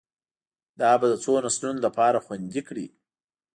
دا به د څو نسلونو لپاره خوندي کړي